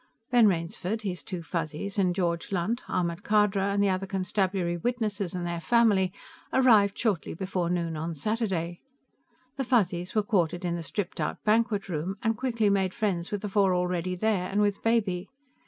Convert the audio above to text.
Ben Rainsford, his two Fuzzies, and George Lunt, Ahmed Khadra and the other constabulary witnesses and their family, arrived shortly before noon on Saturday. The Fuzzies were quartered in the stripped out banquet room, and quickly made friends with the four already there, and with Baby.